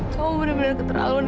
kamu bener bener keterlaluan